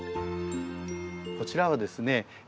こちらはですね